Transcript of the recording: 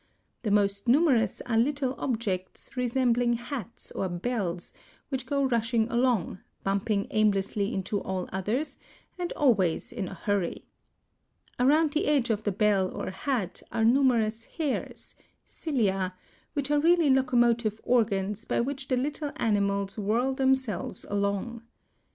The most numerous are little objects (Fig. 4) resembling hats or bells, which go rushing along, bumping aimlessly into all others, and always in a hurry. Around the edge of the bell or hat are numerous hairs (cilia) which are really locomotive organs by which the little animals whirl themselves along.